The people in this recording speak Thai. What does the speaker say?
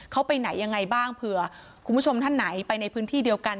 เขาไปไหนยังไงบ้างเผื่อคุณผู้ชมท่านไหนไปในพื้นที่เดียวกัน